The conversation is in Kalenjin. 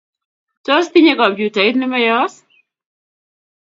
Tos tinyei kompyutait nemayos?